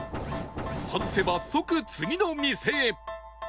外せば即次の店へ